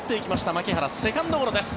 牧原、セカンドゴロです。